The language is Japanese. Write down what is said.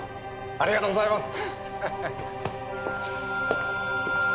ありがとうございます。